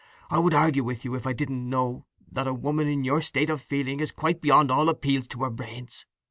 I would argue with you if I didn't know that a woman in your state of feeling is quite beyond all appeals to her brains.